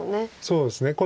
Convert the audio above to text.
そうですね。